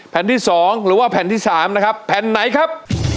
แผ่นที่๒หรือว่าแผ่นที่๓นะครับแผ่นไหนครับ